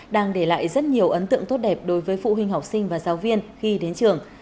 đang để lại rất nhiều ấn tượng tốt đẹp đối với phụ huynh học sinh và giáo viên khi đến trường